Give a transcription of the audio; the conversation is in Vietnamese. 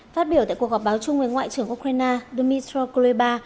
phát biểu tại cuộc họp báo chung với ngoại trưởng ukraine dmytro koleba